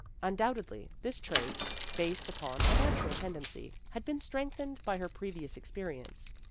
Undoubtedly, this trait, based upon a natural tendency, had been strengthened by her previous experience.